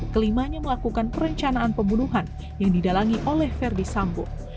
kelimanya melakukan perencanaan pembunuhan yang didalangi oleh verdi sambo